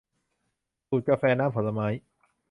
สูตรกาแฟน้ำผลไม้